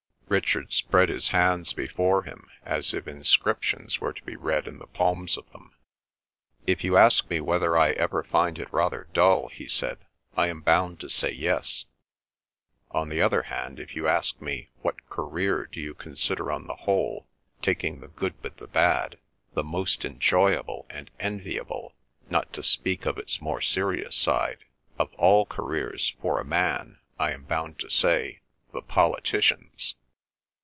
Richard spread his hands before him, as if inscriptions were to be read in the palms of them. "If you ask me whether I ever find it rather dull," he said, "I am bound to say yes; on the other hand, if you ask me what career do you consider on the whole, taking the good with the bad, the most enjoyable and enviable, not to speak of its more serious side, of all careers, for a man, I am bound to say, 'The Politician's.